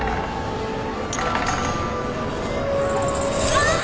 あっ！